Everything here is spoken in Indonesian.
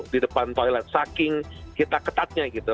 di depan toilet saking kita ketatnya gitu